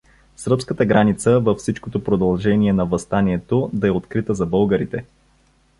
Сръбската граница във всичкото продължение на въстанието да е открита за българите.